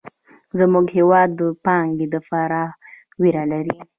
زموږ هېواد د پانګې د فرار وېره لري.